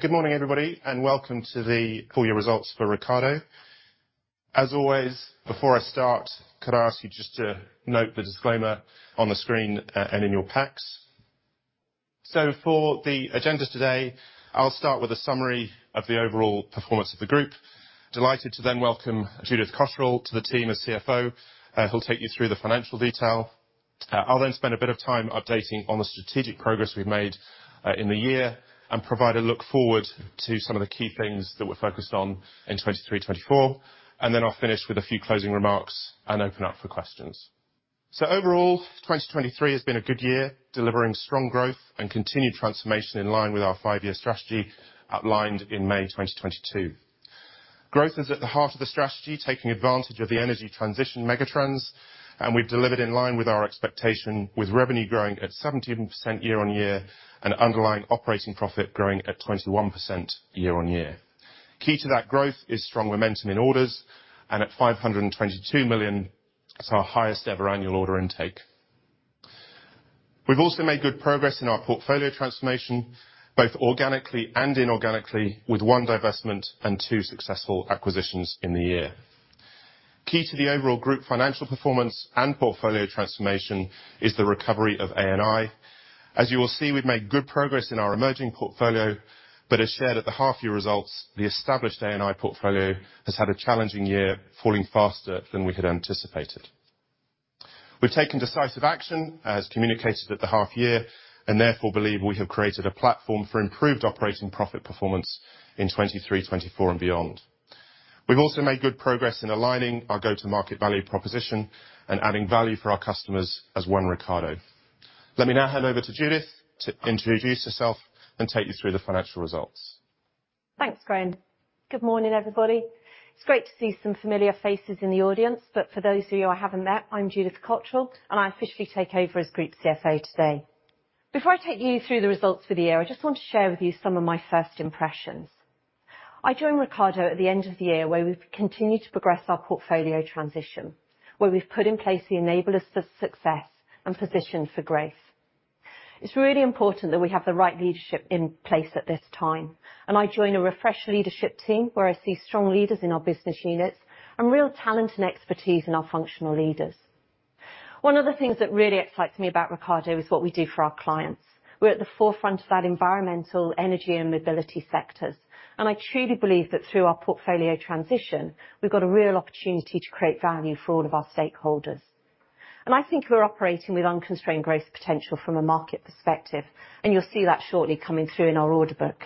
Good morning, everybody, and welcome to the full year results for Ricardo. As always, before I start, could I ask you just to note the disclaimer on the screen, and in your packs? So for the agenda today, I'll start with a summary of the overall performance of the group. Delighted to then welcome Judith Cottrell to the team as CFO, who'll take you through the financial detail. I'll then spend a bit of time updating on the strategic progress we've made, in the year, and provide a look forward to some of the key things that we're focused on in 2023, 2024. And then I'll finish with a few closing remarks and open up for questions. So overall, 2023 has been a good year, delivering strong growth and continued transformation in line with our five year strategy, outlined in May 2022. Growth is at the heart of the strategy, taking advantage of the energy transition megatrends, and we've delivered in line with our expectation, with revenue growing at 17% year-on-year, and underlying operating profit growing at 21% year-on-year. Key to that growth is strong momentum in orders, and at 522 million, it's our highest ever annual order intake. We've also made good progress in our portfolio transformation, both organically and inorganically, with one divestment and two successful acquisitions in the year. Key to the overall group financial performance and portfolio transformation is the recovery of A&I. As you will see, we've made good progress in our emerging portfolio, but as shared at the half-year results, the established A&I portfolio has had a challenging year, falling faster than we had anticipated. We've taken decisive action, as communicated at the half year, and therefore believe we have created a platform for improved operating profit performance in 2023, 2024 and beyond. We've also made good progress in aligning our go-to-market value proposition and adding value for our customers as one Ricardo. Let me now hand over to Judith, to introduce herself and take you through the financial results. Thanks, Graham. Good morning, everybody. It's great to see some familiar faces in the audience, but for those of you I haven't met, I'm Judith Cottrell, and I officially take over as Group CFO today. Before I take you through the results for the year, I just want to share with you some of my first impressions. I joined Ricardo at the end of the year, where we've continued to progress our portfolio transition, where we've put in place the enablers for success and positioned for growth. It's really important that we have the right leadership in place at this time, and I join a refreshed leadership team, where I see strong leaders in our business units and real talent and expertise in our functional leaders. One of the things that really excites me about Ricardo is what we do for our clients. We're at the forefront of that environmental, energy, and mobility sectors, and I truly believe that through our portfolio transition, we've got a real opportunity to create value for all of our stakeholders. I think we're operating with unconstrained growth potential from a market perspective, and you'll see that shortly coming through in our order book.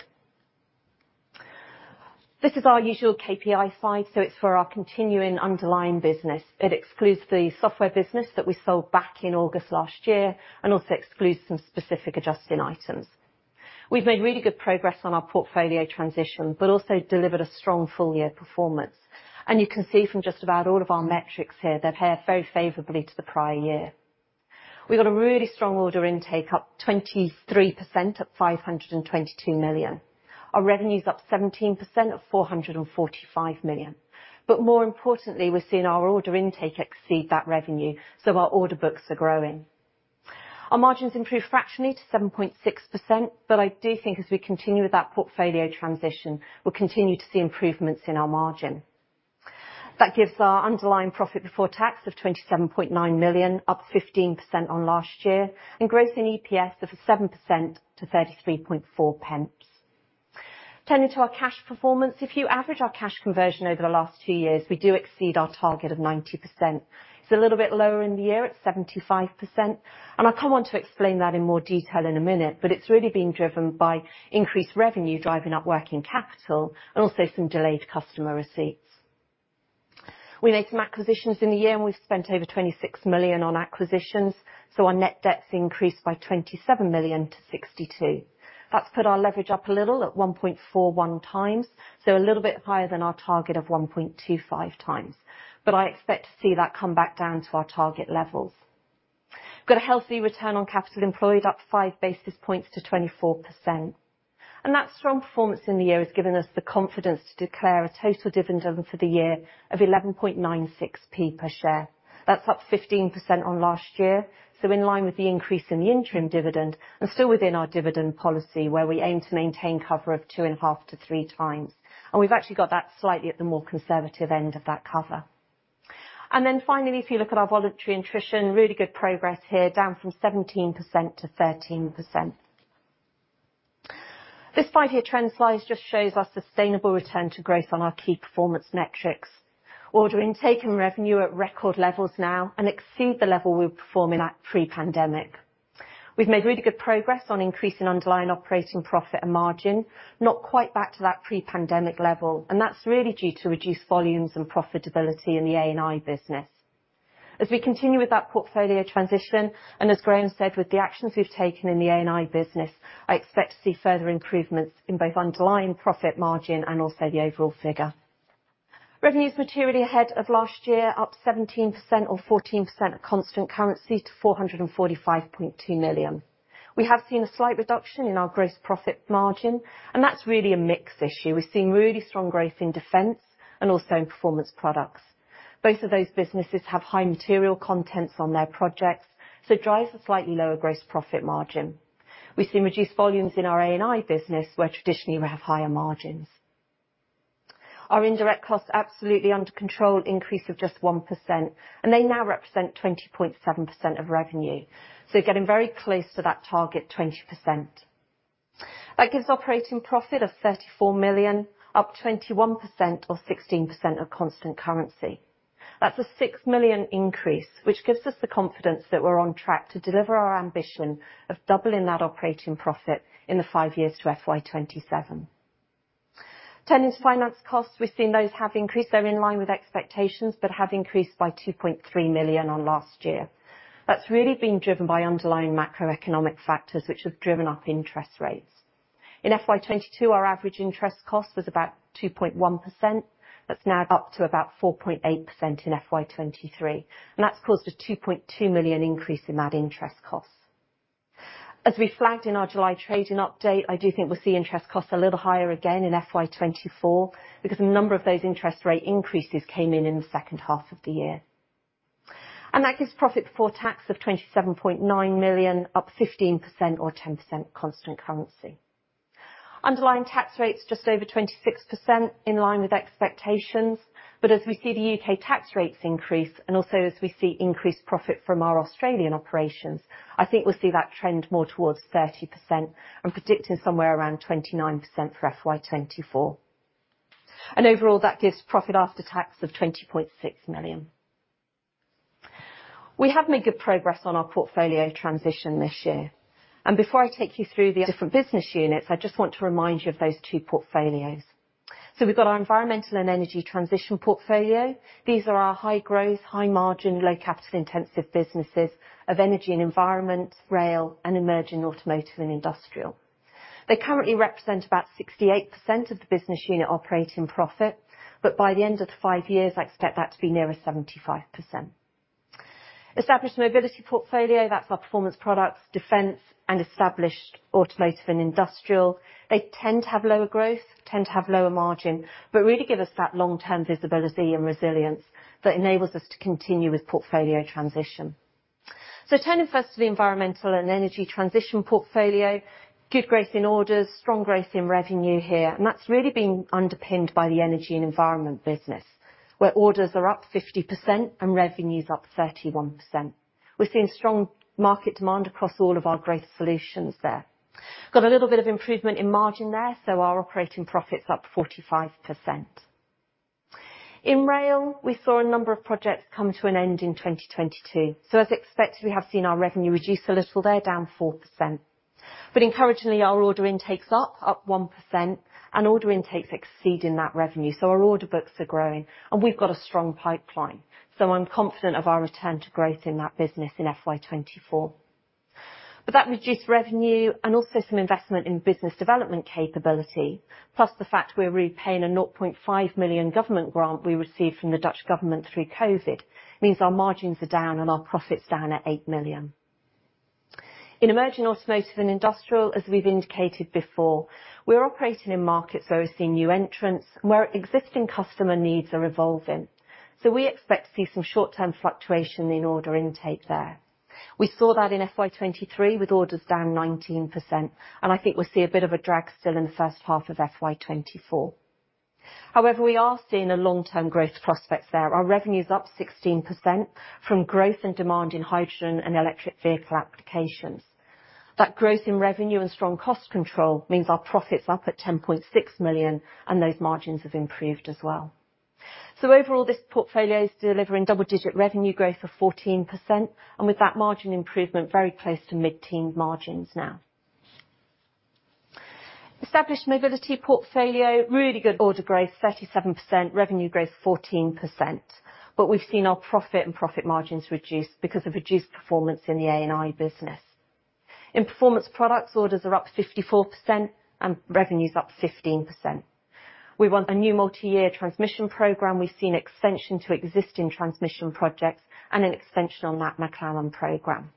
This is our usual KPI slide, so it's for our continuing underlying business. It excludes the software business that we sold back in August last year, and also excludes some specific adjusting items. We've made really good progress on our portfolio transition, but also delivered a strong full year performance. You can see from just about all of our metrics here, they've compared very favorably to the prior year. We got a really strong order intake, up 23%, at 522 million. Our revenue's up 17%, at 445 million. But more importantly, we're seeing our order intake exceed that revenue, so our order books are growing. Our margins improved fractionally to 7.6%, but I do think as we continue with that portfolio transition, we'll continue to see improvements in our margin. That gives our underlying profit before tax of 27.9 million, up 15% on last year, and growth in EPS of 7% to 33.4 pence. Turning to our cash performance, if you average our cash conversion over the last two years, we do exceed our target of 90%. It's a little bit lower in the year at 75%, and I kind of want to explain that in more detail in a minute, but it's really been driven by increased revenue, driving up working capital, and also some delayed customer receipts. We made some acquisitions in the year, and we've spent over 26 million on acquisitions, so our net debt increased by 27 million to 62 million. That's put our leverage up a little at 1.41 times, so a little bit higher than our target of 1.25 times. But I expect to see that come back down to our target levels. Got a healthy return on capital employed, up five basis points to 24%. And that strong performance in the year has given us the confidence to declare a total dividend for the year of 11.96p per share. That's up 15% on last year, so in line with the increase in the interim dividend, and still within our dividend policy, where we aim to maintain cover of 2.5-3 times, and we've actually got that slightly at the more conservative end of that cover. Then finally, if you look at our voluntary attrition, really good progress here, down from 17% to 13%. This 5-year trend slide just shows our sustainable return to growth on our key performance metrics. Order intake and revenue at record levels now and exceed the level we were performing at pre-pandemic. We've made really good progress on increasing underlying operating profit and margin, not quite back to that pre-pandemic level, and that's really due to reduced volumes and profitability in the A&I business. As we continue with that portfolio transition, and as Graham said, with the actions we've taken in the A&I business, I expect to see further improvements in both underlying profit margin and also the overall figure. Revenue is materially ahead of last year, up 17% or 14% at constant currency to 445.2 million. We have seen a slight reduction in our gross profit margin, and that's really a mix issue. We're seeing really strong growth in Defense and also in Performance Products. Both of those businesses have high material contents on their projects, so it drives a slightly lower gross profit margin. We've seen reduced volumes in our A&I business, where traditionally we have higher margins. Our indirect costs are absolutely under control, an increase of just 1%, and they now represent 20.7% of revenue, so getting very close to that target 20%. That gives operating profit of 34 million, up 21% or 16% of constant currency. That's a 6 million increase, which gives us the confidence that we're on track to deliver our ambition of doubling that operating profit in the five years to FY 2027. Turning to finance costs, we've seen those have increased. They're in line with expectations, but have increased by 2.3 million on last year. That's really been driven by underlying macroeconomic factors, which have driven up interest rates. In FY 2022, our average interest cost was about 2.1%. That's now up to about 4.8% in FY 2023, and that's caused a 2.2 million increase in that interest cost. As we flagged in our July trading update, I do think we'll see interest costs a little higher again in FY 2024, because a number of those interest rate increases came in in the second half of the year. And that gives profit before tax of 27.9 million, up 15% or 10% constant currency. Underlying tax rate's just over 26%, in line with expectations, but as we see the U.K. tax rates increase, and also as we see increased profit from our Australian operations, I think we'll see that trend more towards 30%. I'm predicting somewhere around 29% for FY 2024. And overall, that gives profit after tax of 20.6 million. We have made good progress on our portfolio transition this year, and before I take you through the different business units, I just want to remind you of those two portfolios. So we've got our Environmental and Energy Transition portfolio. These are our high growth, high margin, low capital-intensive businesses of Energy and Environment, Rail, and Emerging Automotive and Industrial. They currently represent about 68% of the business unit operating profit, but by the end of the five years, I expect that to be nearer 75%. Established Mobility portfolio, that's our Performance Products, Defense, and Established Automotive and Industrial. They tend to have lower growth, tend to have lower margin, but really give us that long-term visibility and resilience that enables us to continue with portfolio transition. So turning first to the Environmental and Energy Transition portfolio, good growth in orders, strong growth in revenue here, and that's really been underpinned by the Energy and Environment business, where orders are up 50% and revenue's up 31%. We're seeing strong market demand across all of our growth solutions there. Got a little bit of improvement in margin there, so our operating profit's up 45%. In Rail, we saw a number of projects come to an end in 2022, so as expected, we have seen our revenue reduce a little there, down 4%. But encouragingly, our order intake's up, up 1%, and order intake's exceeding that revenue, so our order books are growing, and we've got a strong pipeline, so I'm confident of our return to growth in that business in FY 2024. But that reduced revenue and also some investment in business development capability, plus the fact we're repaying a 0.5 million government grant we received from the Dutch government through COVID, means our margins are down and our profit's down at 8 million. In emerging automotive and industrial, as we've indicated before, we're operating in markets where we're seeing new entrants and where existing customer needs are evolving, so we expect to see some short-term fluctuation in order intake there. We saw that in FY 2023, with orders down 19%, and I think we'll see a bit of a drag still in the first half of FY 2024. However, we are seeing a long-term growth prospects there. Our revenue's up 16% from growth and demand in hydrogen and electric vehicle applications. That growth in revenue and strong cost control means our profit's up at 10.6 million, and those margins have improved as well. So overall, this portfolio is delivering double-digit revenue growth of 14%, and with that margin improvement, very close to mid-teen margins now. Established mobility portfolio, really good order growth, 37%, revenue growth, 14%, but we've seen our profit and profit margins reduce because of reduced performance in the A&I business. In performance products, orders are up 54% and revenue's up 15%. We won a new multi-year transmission program. We've seen extension to existing transmission projects and an extension on that McLaren program.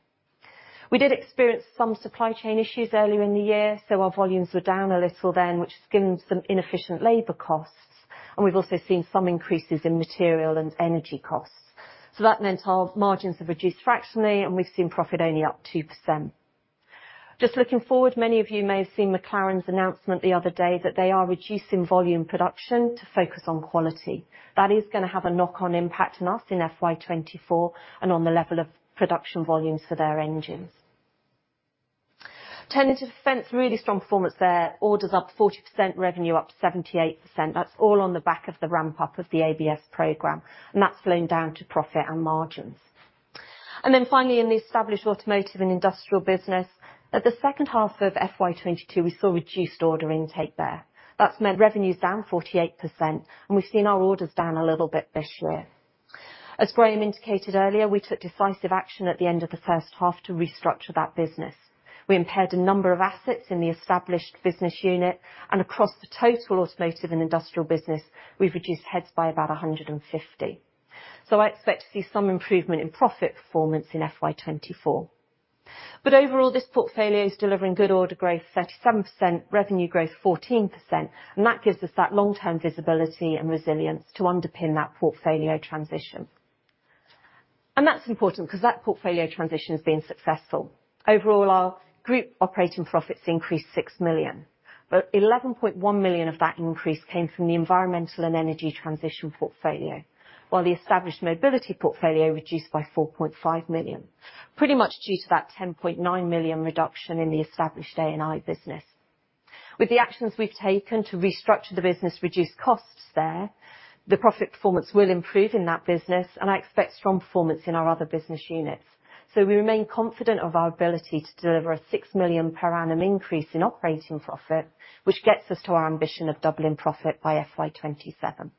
We did experience some supply chain issues earlier in the year, so our volumes were down a little then, which has given some inefficient labor costs, and we've also seen some increases in material and energy costs. So that meant our margins have reduced fractionally, and we've seen profit only up 2%. Just looking forward, many of you may have seen McLaren's announcement the other day that they are reducing volume production to focus on quality. That is going to have a knock-on impact on us in FY 2024 and on the level of production volumes for their engines. Turning to defense, really strong performance there. Orders up 40%, revenue up 78%. That's all on the back of the ramp-up of the ABS program, and that's flowing down to profit and margins. And then finally, in the established automotive and industrial business, at the second half of FY 2022, we saw reduced order intake there. That's meant revenue's down 48%, and we've seen our orders down a little bit this year. As Graham indicated earlier, we took decisive action at the end of the first half to restructure that business. We impaired a number of assets in the established business unit, and across the total automotive and industrial business, we've reduced heads by about 150. So I expect to see some improvement in profit performance in FY 2024. But overall, this portfolio is delivering good order growth 37%, revenue growth 14%, and that gives us that long-term visibility and resilience to underpin that portfolio transition. And that's important because that portfolio transition has been successful. Overall, our group operating profits increased 6 million, but 11.1 million of that increase came from the environmental and energy transition portfolio, while the Established Mobility portfolio reduced by 4.5 million, pretty much due to that 10.9 million reduction in the established A&I business. With the actions we've taken to restructure the business, reduce costs there, the profit performance will improve in that business, and I expect strong performance in our other business units. So we remain confident of our ability to deliver a 6 million per annum increase in operating profit, which gets us to our ambition of doubling profit by FY 2027.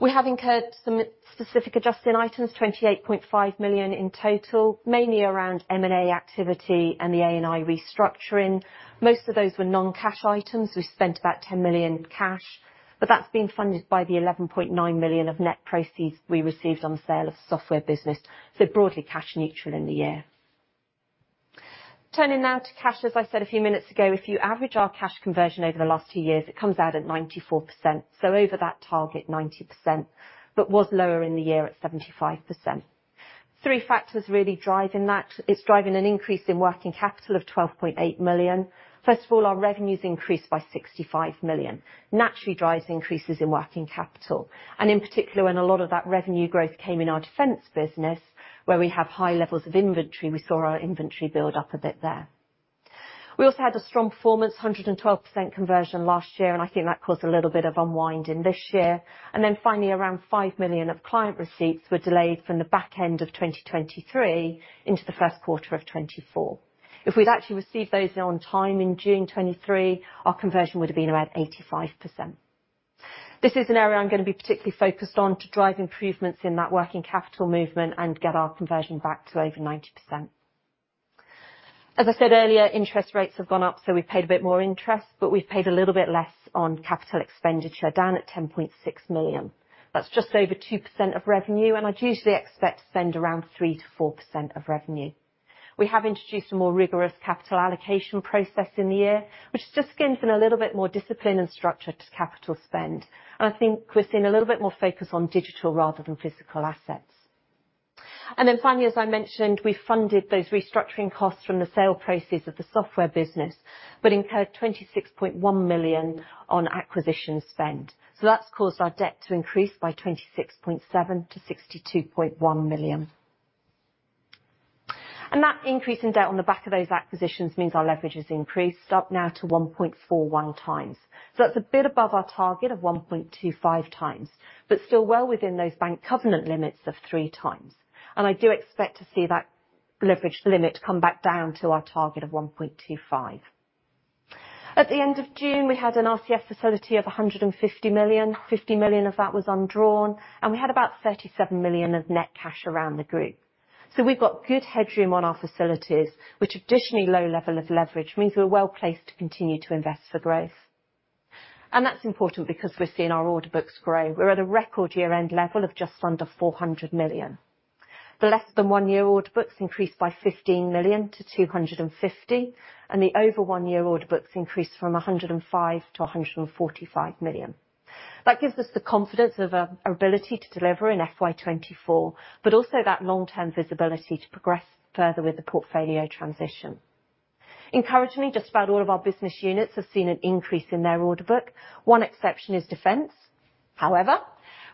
We have incurred some specific adjusting items, 28.5 million in total, mainly around M&A activity and the A&I restructuring. Most of those were non-cash items. We spent about 10 million cash, but that's been funded by the 11.9 million of net proceeds we received on the sale of software business, so broadly cash neutral in the year. Turning now to cash, as I said a few minutes ago, if you average our cash conversion over the last two years, it comes out at 94%, so over that target, 90%, but was lower in the year at 75%. Three factors really driving that. It's driving an increase in working capital of 12.8 million. First of all, our revenues increased by 65 million, naturally drives increases in working capital, and in particular, when a lot of that revenue growth came in our defense business, where we have high levels of inventory, we saw our inventory build up a bit there. We also had a strong performance, 112% conversion last year, and I think that caused a little bit of unwind in this year. Then finally, around 5 million of client receipts were delayed from the back end of 2023 into the first quarter of 2024. If we'd actually received those on time in June 2023, our conversion would have been around 85%. This is an area I'm going to be particularly focused on to drive improvements in that working capital movement and get our conversion back to over 90%. As I said earlier, interest rates have gone up, so we've paid a bit more interest, but we've paid a little bit less on capital expenditure, down at 10.6 million. That's just over 2% of revenue, and I'd usually expect to spend around 3%-4% of revenue. We have introduced a more rigorous capital allocation process in the year, which just brings in a little bit more discipline and structure to capital spend, and I think we're seeing a little bit more focus on digital rather than physical assets. And then finally, as I mentioned, we funded those restructuring costs from the sale proceeds of the software business, but incurred 26.1 million on acquisition spend. So that's caused our debt to increase by 26.7 to 62.1 million. And that increase in debt on the back of those acquisitions means our leverage has increased, up now to 1.41 times. So that's a bit above our target of 1.25 times, but still well within those bank covenant limits of 3 times. And I do expect to see that leverage limit come back down to our target of 1.25. At the end of June, we had an RCF facility of 150 million, 50 million of that was undrawn, and we had about 37 million of net cash around the group. So we've got good headroom on our facilities, which additionally, low level of leverage means we're well placed to continue to invest for growth. And that's important because we're seeing our order books grow. We're at a record year-end level of just under 400 million. The less than one-year order books increased by 15 million to 250, and the over one-year order books increased from 105 million to 145 million. That gives us the confidence of our ability to deliver in FY 2024, but also that long-term visibility to progress further with the portfolio transition. Encouragingly, just about all of our business units have seen an increase in their order book. One exception is defense. However,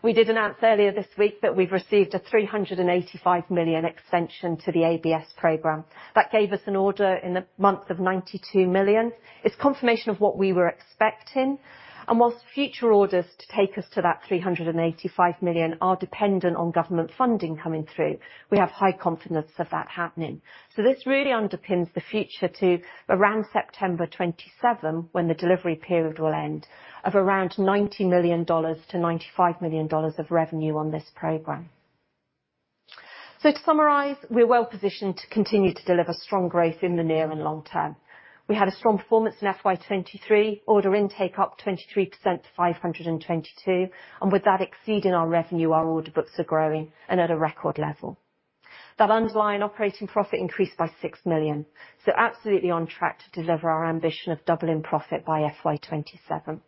we did announce earlier this week that we've received a $385 million extension to the ABS program. That gave us an order in the month of $92 million. It's confirmation of what we were expecting, and whilst future orders to take us to that $385 million are dependent on government funding coming through, we have high confidence of that happening. So this really underpins the future to around September 2027, when the delivery period will end, of around $90 million-$95 million of revenue on this program. So to summarize, we're well positioned to continue to deliver strong growth in the near and long term. We had a strong performance in FY 2023, order intake up 23% to 522 million, and with that exceeding our revenue, our order books are growing and at a record level. That underlying operating profit increased by 6 million, so absolutely on track to deliver our ambition of doubling profit by FY 2027.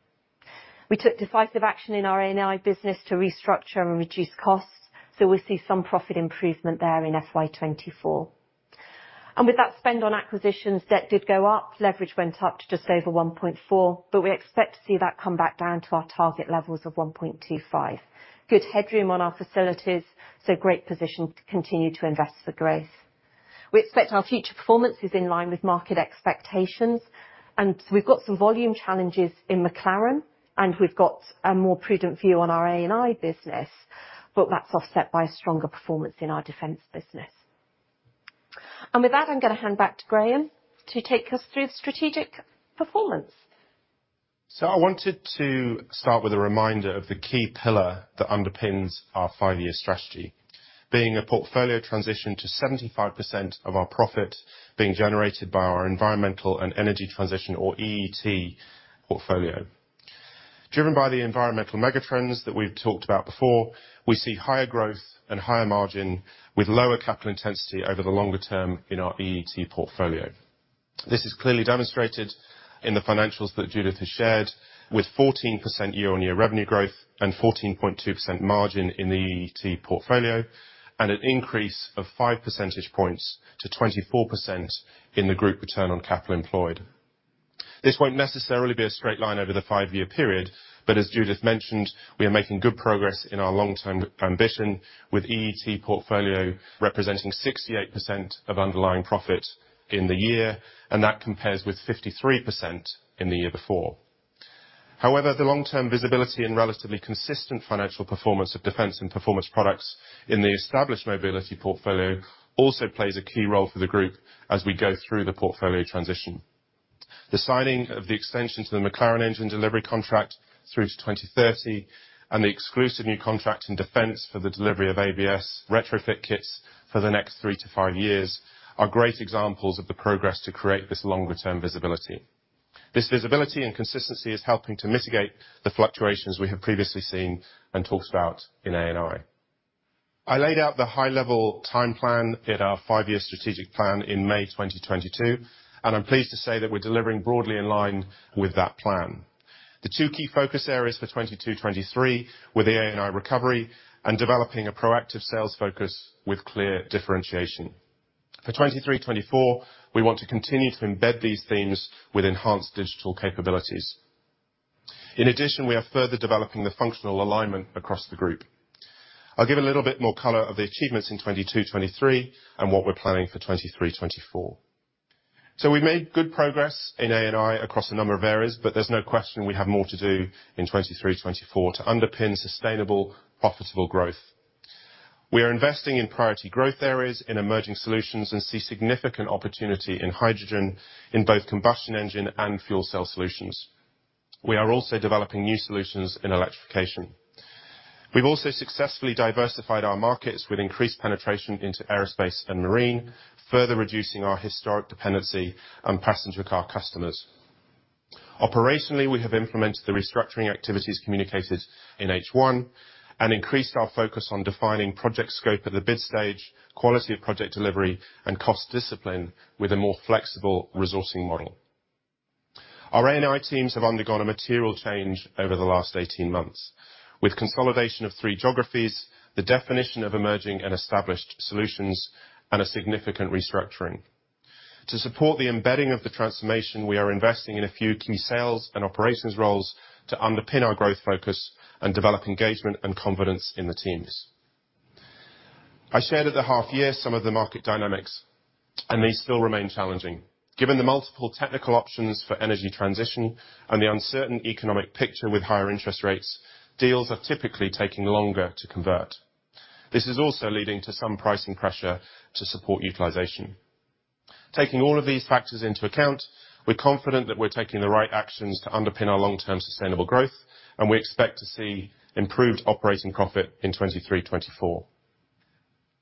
We took decisive action in our A&I business to restructure and reduce costs, so we'll see some profit improvement there in FY 2024. And with that spend on acquisitions, debt did go up, leverage went up to just over 1.4, but we expect to see that come back down to our target levels of 1.25. Good headroom on our facilities, so great position to continue to invest for growth. We expect our future performance is in line with market expectations, and we've got some volume challenges in McLaren, and we've got a more prudent view on our A&I business, but that's offset by a stronger performance in our defense business. And with that, I'm going to hand back to Graham to take us through the strategic performance. So I wanted to start with a reminder of the key pillar that underpins our 5-year strategy, being a portfolio transition to 75% of our profit being generated by our environmental and energy transition, or EET portfolio. Driven by the environmental mega trends that we've talked about before, we see higher growth and higher margin, with lower capital intensity over the longer term in our EET portfolio. This is clearly demonstrated in the financials that Judith has shared, with 14% year-on-year revenue growth and 14.2% margin in the EET portfolio, and an increase of 5 percentage points to 24% in the group return on capital employed. This won't necessarily be a straight line over the 5-year period, but as Judith mentioned, we are making good progress in our long-term ambition, with EET portfolio representing 68% of underlying profit in the year, and that compares with 53% in the year before. However, the long-term visibility and relatively consistent financial performance of Defense and Performance Products in the Established Mobility portfolio also plays a key role for the group as we go through the portfolio transition. The signing of the extension to the McLaren engine delivery contract through to 2030, and the exclusive new contract in defense for the delivery of ABS retrofit kits for the next 3-5 years, are great examples of the progress to create this longer term visibility. This visibility and consistency is helping to mitigate the fluctuations we have previously seen and talked about in A&I. I laid out the high level time plan in our five-year strategic plan in May 2022, and I'm pleased to say that we're delivering broadly in line with that plan. The two key focus areas for 2022-2023 were the A&I recovery and developing a proactive sales focus with clear differentiation. For 2023-2024, we want to continue to embed these themes with enhanced digital capabilities. In addition, we are further developing the functional alignment across the group. I'll give a little bit more color of the achievements in 2022-2023, and what we're planning for 2023-2024. So we made good progress in A&I across a number of areas, but there's no question we have more to do in 2023-2024 to underpin sustainable, profitable growth. We are investing in priority growth areas, in emerging solutions, and see significant opportunity in hydrogen, in both combustion engine and fuel cell solutions. We are also developing new solutions in electrification. We've also successfully diversified our markets with increased penetration into aerospace and marine, further reducing our historic dependency on passenger car customers. Operationally, we have implemented the restructuring activities communicated in H1, and increased our focus on defining project scope at the bid stage, quality of project delivery, and cost discipline with a more flexible resourcing model. Our A&I teams have undergone a material change over the last 18 months, with consolidation of three geographies, the definition of emerging and established solutions, and a significant restructuring. To support the embedding of the transformation, we are investing in a few key sales and operations roles to underpin our growth focus and develop engagement and confidence in the teams. I shared at the half year some of the market dynamics, and they still remain challenging. Given the multiple technical options for energy transition and the uncertain economic picture with higher interest rates, deals are typically taking longer to convert. This is also leading to some pricing pressure to support utilization. Taking all of these factors into account, we're confident that we're taking the right actions to underpin our long-term sustainable growth, and we expect to see improved operating profit in 2023, 2024.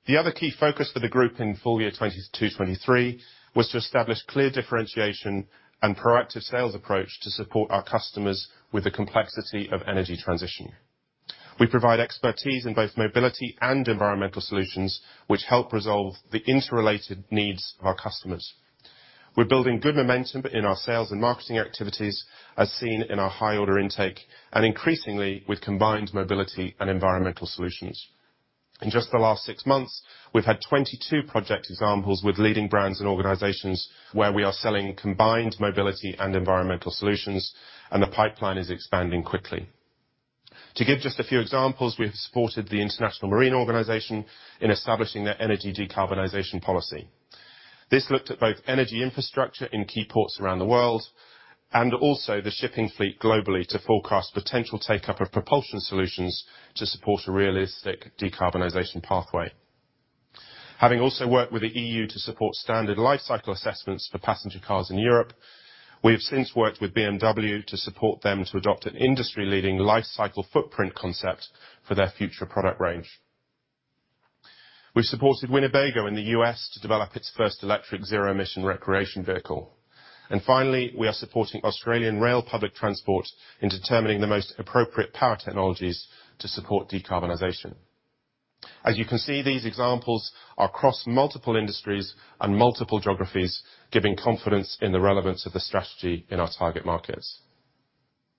The other key focus for the group in full year 2022, 2023, was to establish clear differentiation and proactive sales approach to support our customers with the complexity of energy transition. We provide expertise in both mobility and environmental solutions, which help resolve the interrelated needs of our customers. We're building good momentum in our sales and marketing activities, as seen in our high order intake, and increasingly with combined mobility and environmental solutions. In just the last six months, we've had 22 project examples with leading brands and organizations where we are selling combined mobility and environmental solutions, and the pipeline is expanding quickly. To give just a few examples, we have supported the International Marine Organization in establishing their energy decarbonization policy. This looked at both energy infrastructure in key ports around the world, and also the shipping fleet globally, to forecast potential take-up of propulsion solutions to support a realistic decarbonization pathway. Having also worked with the EU to support standard lifecycle assessments for passenger cars in Europe, we have since worked with BMW to support them to adopt an industry-leading lifecycle footprint concept for their future product range. We've supported Winnebago in the U.S. to develop its first electric zero-emission recreation vehicle. And finally, we are supporting Australian Rail Public Transport in determining the most appropriate power technologies to support decarbonization. As you can see, these examples are across multiple industries and multiple geographies, giving confidence in the relevance of the strategy in our target markets.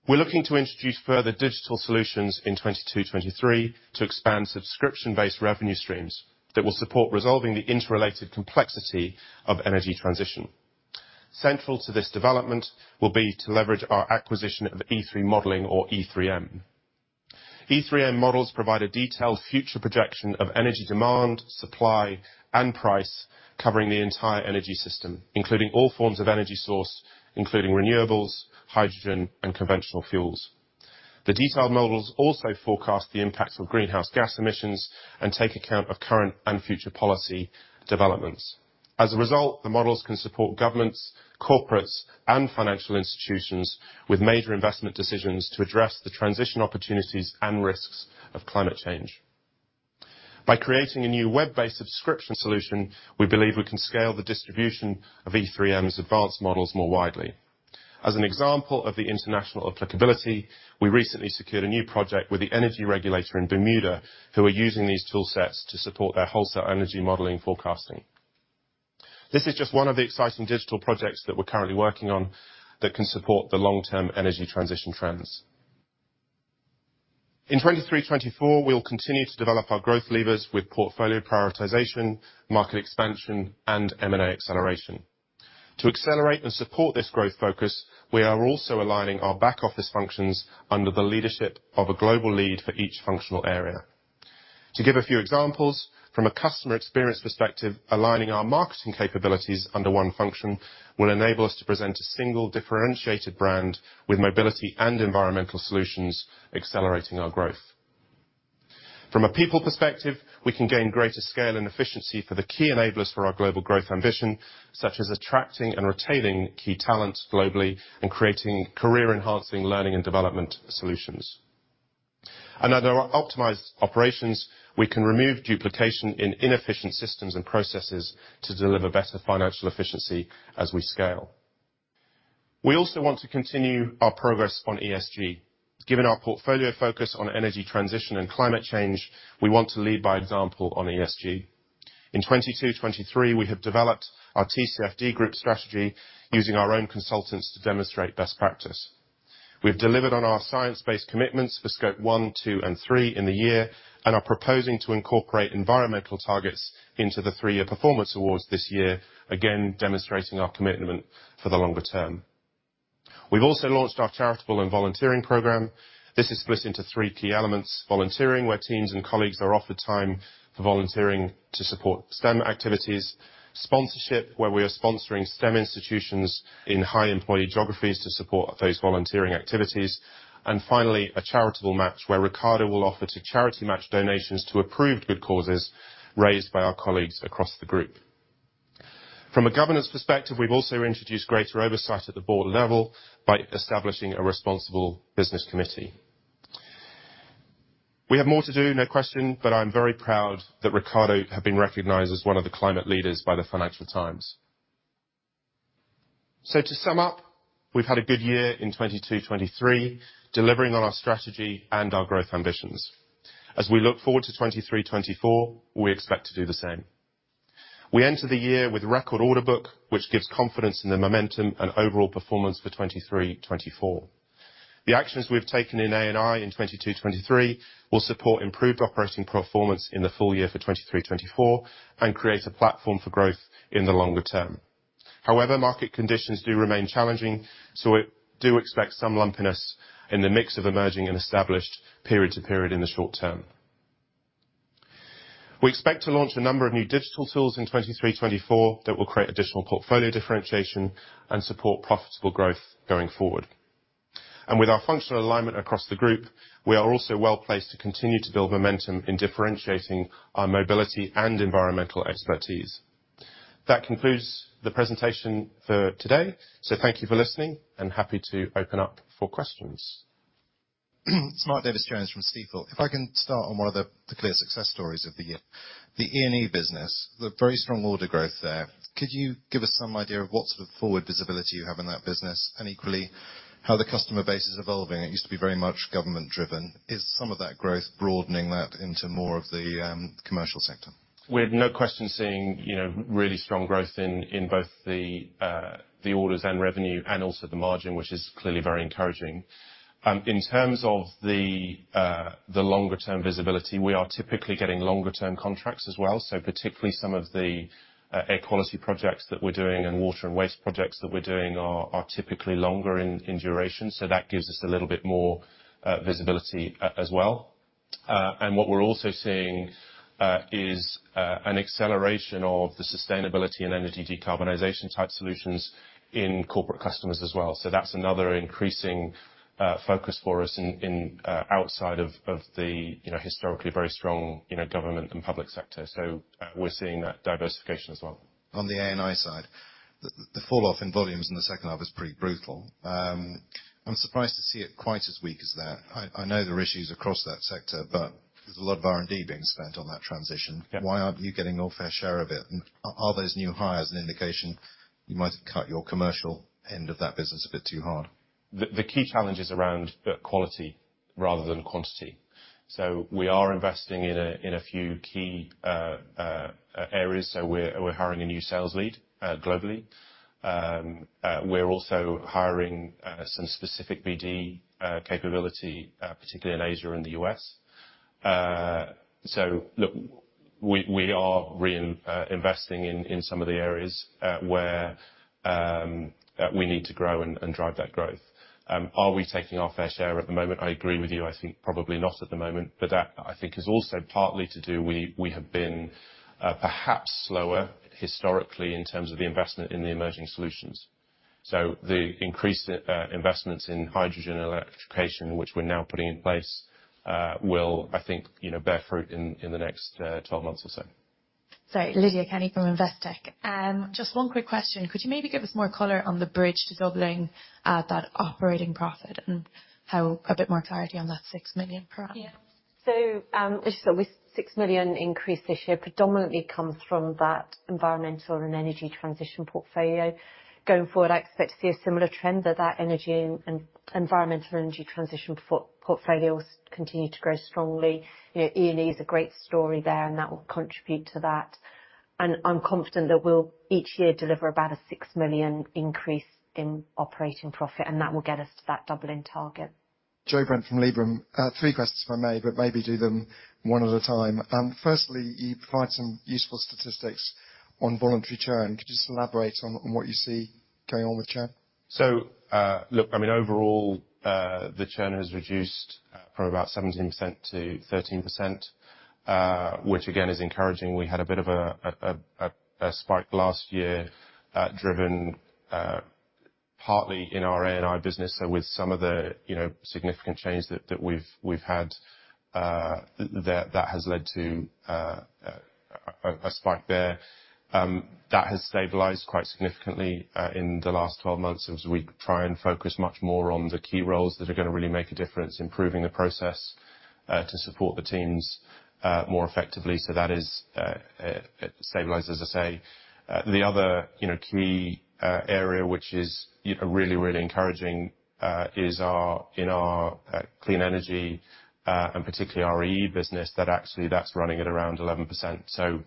We're looking to introduce further digital solutions in 2022, 2023, to expand subscription-based revenue streams that will support resolving the interrelated complexity of energy transition. Central to this development will be to leverage our acquisition of E3-Modelling or E3M. E3M models provide a detailed future projection of energy demand, supply, and price, covering the entire energy system, including all forms of energy source, including renewables, hydrogen, and conventional fuels. The detailed models also forecast the impacts of greenhouse gas emissions and take account of current and future policy developments. As a result, the models can support governments, corporates, and financial institutions with major investment decisions to address the transition, opportunities, and risks of climate change. By creating a new web-based subscription solution, we believe we can scale the distribution of E3M's advanced models more widely. As an example of the international applicability, we recently secured a new project with the energy regulator in Bermuda, who are using these tool sets to support their wholesale energy modeling forecasting. This is just one of the exciting digital projects that we're currently working on that can support the long-term energy transition trends. In 2023, 2024, we'll continue to develop our growth levers with portfolio prioritization, market expansion, and M&A acceleration. To accelerate and support this growth focus, we are also aligning our back office functions under the leadership of a global lead for each functional area. To give a few examples, from a customer experience perspective, aligning our marketing capabilities under one function will enable us to present a single differentiated brand with mobility and environmental solutions, accelerating our growth. From a people perspective, we can gain greater scale and efficiency for the key enablers for our global growth ambition, such as attracting and retaining key talent globally and creating career-enhancing learning and development solutions. Under our optimized operations, we can remove duplication in inefficient systems and processes to deliver better financial efficiency as we scale. We also want to continue our progress on ESG. Given our portfolio focus on energy transition and climate change, we want to lead by example on ESG. In 2022-2023, we have developed our TCFD group strategy using our own consultants to demonstrate best practice. We've delivered on our science-based commitments for Scope 1, 2, and 3 in the year, and are proposing to incorporate environmental targets into the three-year performance awards this year, again, demonstrating our commitment for the longer term. We've also launched our charitable and volunteering program. This is split into three key elements: volunteering, where teams and colleagues are offered time for volunteering to support STEM activities. Sponsorship, where we are sponsoring STEM institutions in high employee geographies to support those volunteering activities. And finally, a charitable match, where Ricardo will offer to charity match donations to approved good causes raised by our colleagues across the group. From a governance perspective, we've also introduced greater oversight at the board level by establishing a responsible business committee. We have more to do, no question, but I'm very proud that Ricardo have been recognized as one of the climate leaders by the Financial Times. So to sum up, we've had a good year in 2022-2023, delivering on our strategy and our growth ambitions. As we look forward to 2023-2024, we expect to do the same. We enter the year with record order book, which gives confidence in the momentum and overall performance for 2023-2024. The actions we've taken in A&I in 2022-2023 will support improved operating performance in the full year for 2023-2024, and create a platform for growth in the longer term. However, market conditions do remain challenging, so we do expect some lumpiness in the mix of emerging and established period to period in the short term. We expect to launch a number of new digital tools in 2023, 2024, that will create additional portfolio differentiation and support profitable growth going forward. With our functional alignment across the group, we are also well placed to continue to build momentum in differentiating our mobility and environmental expertise. That concludes the presentation for today. Thank you for listening, and happy to open up for questions. Mark Davies Jones from Stifel. If I can start on one of the, the clear success stories of the year, the E&E business, the very strong order growth there. Could you give us some idea of what sort of forward visibility you have in that business, and equally, how the customer base is evolving? It used to be very much government-driven. Is some of that growth broadening that into more of the, commercial sector? We're no question seeing, you know, really strong growth in both the orders and revenue and also the margin, which is clearly very encouraging. In terms of the longer term visibility, we are typically getting longer term contracts as well. So particularly some of the air quality projects that we're doing and water and waste projects that we're doing are typically longer in duration, so that gives us a little bit more visibility as well. And what we're also seeing is an acceleration of the sustainability and energy decarbonization-type solutions in corporate customers as well. So that's another increasing focus for us in outside of the, you know, historically very strong, you know, government and public sector. So we're seeing that diversification as well. On the A&I side, the falloff in volumes in the second half is pretty brutal. I'm surprised to see it quite as weak as that. I know there are issues across that sector, but there's a lot of R&D being spent on that transition. Yeah. Why aren't you getting your fair share of it? And are those new hires an indication you might have cut your commercial end of that business a bit too hard? The key challenge is around quality rather than quantity. So we are investing in a few key areas. So we're hiring a new sales lead globally. We're also hiring some specific BD capability particularly in Asia and the US. So look, we are investing in some of the areas where we need to grow and drive that growth. Are we taking our fair share at the moment? I agree with you. I think probably not at the moment, but that, I think, is also partly to do with we have been perhaps slower historically in terms of the investment in the emerging solutions. The increased investments in hydrogen electrification, which we're now putting in place, will, I think, you know, bear fruit in the next 12 months or so. ... Sorry, Lydia Kenny from Investec. Just one quick question. Could you maybe give us more color on the bridge to doubling that operating profit, and how a bit more clarity on that 6 million, perhaps? Yeah. So, just with 6 million increase this year predominantly comes from that environmental and energy transition portfolio. Going forward, I expect to see a similar trend, that Energy and Environmental Energy Transition portfolios continue to grow strongly. You know, E&E is a great story there, and that will contribute to that. And I'm confident that we'll each year deliver about a 6 million increase in operating profit, and that will get us to that doubling target. Joe Brent from Liberum. Three questions, if I may, but maybe do them one at a time. Firstly, you provided some useful statistics on voluntary churn. Could you just elaborate on, on what you see going on with churn? So, look, I mean, overall, the churn has reduced from about 17% to 13%, which again, is encouraging. We had a bit of a spike last year, driven partly in our A&I business. So with some of the, you know, significant changes that we've had, that has led to a spike there. That has stabilized quite significantly in the last 12 months as we try and focus much more on the key roles that are gonna really make a difference, improving the process to support the teams more effectively. So that is, it stabilized, as I say. The other, you know, key area, which is really, really encouraging, is our clean energy, and particularly our RE business, that actually, that's running at around 11%. So,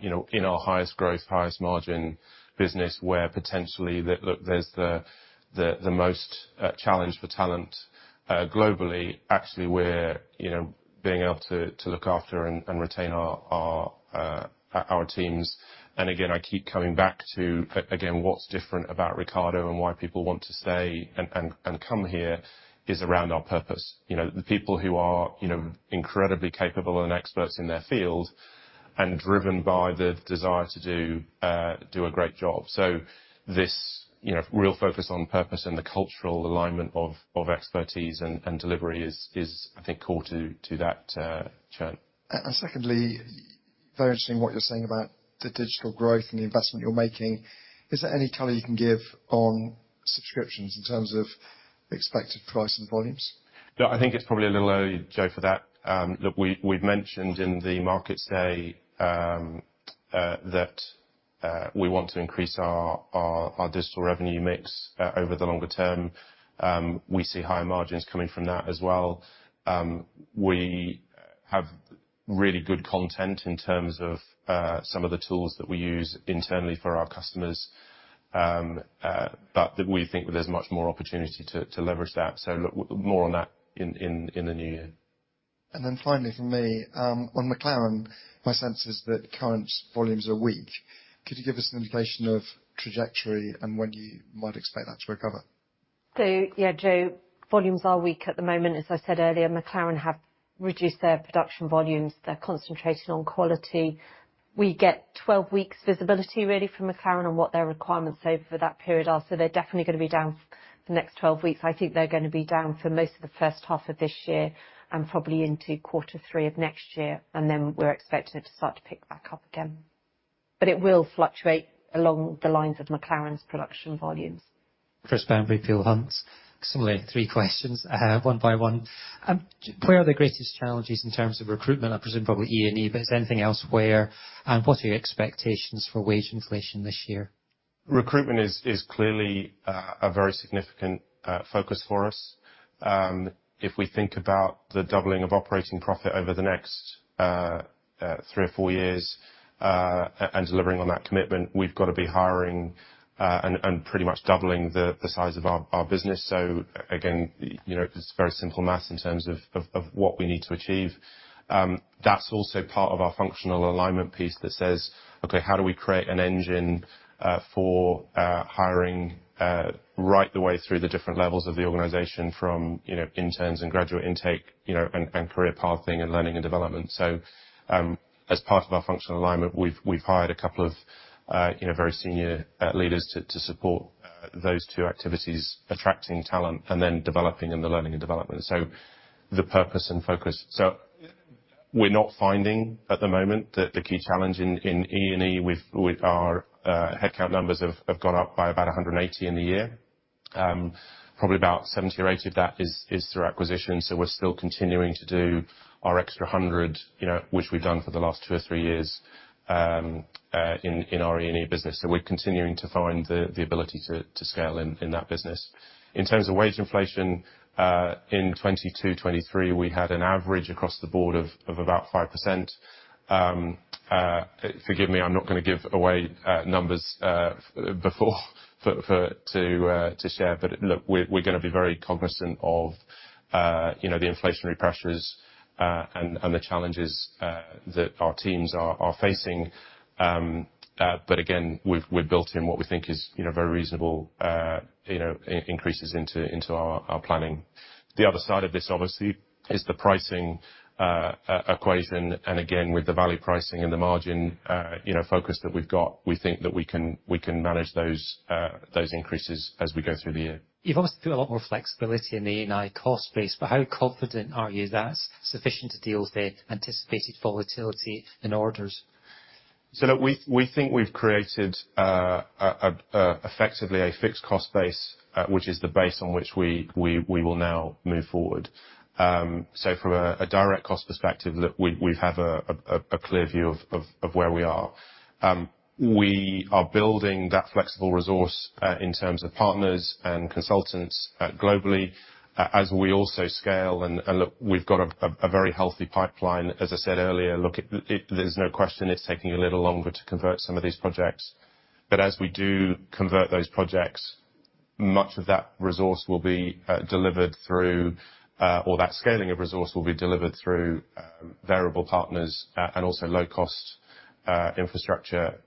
you know, in our highest growth, highest margin business, where potentially there's the most challenge for talent globally, actually, we're, you know, being able to look after and retain our teams. And again, I keep coming back to, again, what's different about Ricardo and why people want to stay and come here is around our purpose. You know, the people who are, you know, incredibly capable and experts in their field, and driven by the desire to do a great job. This, you know, real focus on purpose and the cultural alignment of expertise and delivery is, I think, core to that churn. And secondly, very interesting what you're saying about the digital growth and the investment you're making. Is there any color you can give on subscriptions in terms of expected price and volumes? No, I think it's probably a little early, Joe, for that. Look, we've mentioned in the market that we want to increase our digital revenue mix over the longer term. We see higher margins coming from that as well. We have really good content in terms of some of the tools that we use internally for our customers. But we think there's much more opportunity to leverage that. So look, more on that in the new year. Then finally, from me, on McLaren, my sense is that current volumes are weak. Could you give us an indication of trajectory and when you might expect that to recover? So yeah, Joe, volumes are weak at the moment. As I said earlier, McLaren have reduced their production volumes. They're concentrated on quality. We get 12 weeks visibility, really, from McLaren on what their requirements over that period are, so they're definitely gonna be down for the next 12 weeks. I think they're gonna be down for most of the first half of this year and probably into quarter three of next year, and then we're expecting it to start to pick back up again. But it will fluctuate along the lines of McLaren's production volumes. Chris Bamberry, Peel Hunt. Similarly, three questions, one by one. Where are the greatest challenges in terms of recruitment? I presume probably E&E, but is there anything else where, and what are your expectations for wage inflation this year? Recruitment is clearly a very significant focus for us. If we think about the doubling of operating profit over the next three or four years, and delivering on that commitment, we've got to be hiring, and pretty much doubling the size of our business. So again, you know, it's very simple math in terms of what we need to achieve. That's also part of our functional alignment piece that says: Okay, how do we create an engine for hiring right the way through the different levels of the organization from, you know, interns and graduate intake, you know, and career pathing and learning and development? So, as part of our functional alignment, we've hired a couple of, you know, very senior leaders to support those two activities, attracting talent and then developing in the learning and development. So the purpose and focus. So we're not finding at the moment that the key challenge in E&E with our headcount numbers have gone up by about 180 in the year. Probably about 70 or 80 of that is through acquisition, so we're still continuing to do our extra 100, you know, which we've done for the last two or three years, in our E&E business. So we're continuing to find the ability to scale in that business. In terms of wage inflation, in 2022, 2023, we had an average across the board of about 5%. Forgive me, I'm not gonna give away numbers before, to share, but look, we're gonna be very cognizant of, you know, the inflationary pressures, and the challenges that our teams are facing. But again, we've built in what we think is, you know, very reasonable, you know, increases into our planning. The other side of this, obviously, is the pricing equation. And again, with the value pricing and the margin, you know, focus that we've got, we think that we can manage those increases as we go through the year. You've obviously put a lot more flexibility in the A&I cost base, but how confident are you that's sufficient to deal with the anticipated volatility in orders? So look, we think we've created effectively a fixed cost base, which is the base on which we will now move forward. So from a direct cost perspective, look, we have a clear view of where we are. We are building that flexible resource in terms of partners and consultants globally as we also scale. And look, we've got a very healthy pipeline, as I said earlier. Look, there's no question it's taking a little longer to convert some of these projects, but as we do convert those projects, much of that resource will be delivered through or that scaling of resource will be delivered through variable partners and also low-cost infrastructure.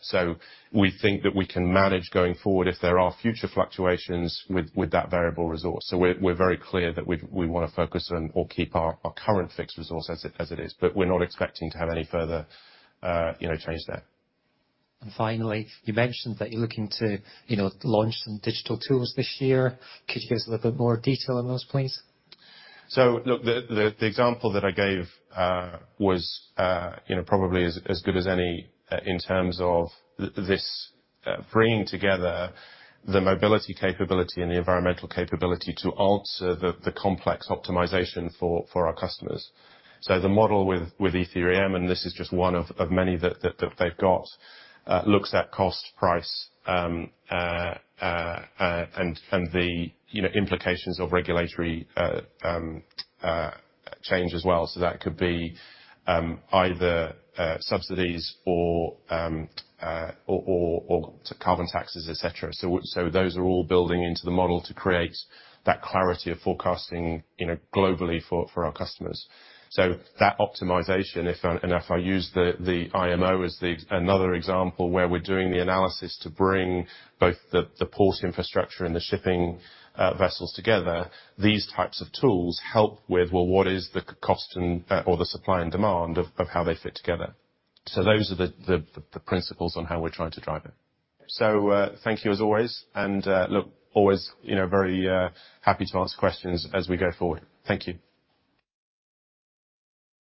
So we think that we can manage going forward if there are future fluctuations with that variable resource. So we're very clear that we wanna focus on or keep our current fixed resource as it is, but we're not expecting to have any further, you know, change there. Finally, you mentioned that you're looking to, you know, launch some digital tools this year. Could you give us a little bit more detail on those, please? So look, the example that I gave, you know, probably as good as any, in terms of this, bringing together the mobility capability and the environmental capability to answer the complex optimization for our customers. So the model with E3M, and this is just one of many that they've got, looks at cost, price, and the, you know, implications of regulatory change as well. So that could be either subsidies or carbon taxes, et cetera. So those are all building into the model to create that clarity of forecasting, you know, globally for our customers. So that optimization, if and if I use the IMO as the, another example, where we're doing the analysis to bring both the port infrastructure and the shipping vessels together, these types of tools help with, well, what is the cost and or the supply and demand of how they fit together? So those are the principles on how we're trying to drive it. So, thank you as always, and look, always, you know, very happy to answer questions as we go forward. Thank you.